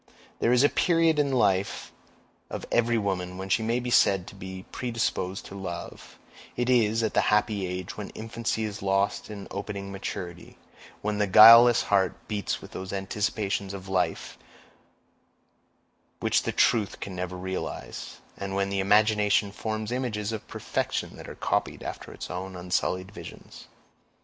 There is a period in the life of every woman when she may be said to be predisposed to love; it is at the happy age when infancy is lost in opening maturity—when the guileless heart beats with those anticipations of life which the truth can never realize—and when the imagination forms images of perfection that are copied after its own unsullied visions.